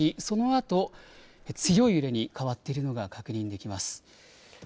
あと強い揺れに変わっているのが確認できます。